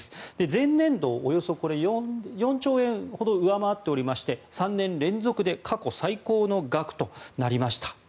前年度をおよそ４兆円ほど上回っておりまして３年連続で過去最高の額となりました。